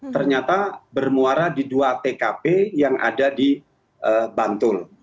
ternyata bermuara di dua tkp yang ada di bantul